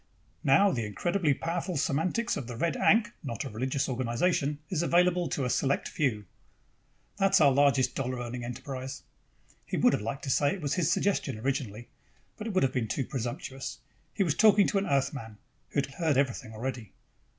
Now the incredibly powerful semantics of the Red Ankh (not a religious organization) is available to a select few ' That's our largest dollar earning enterprise." He would have liked to say it was his suggestion originally, but it would have been too presumptuous. He was talking to an Earthman, who had heard everything already.